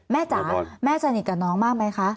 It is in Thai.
จ๋าแม่สนิทกับน้องมากไหมคะ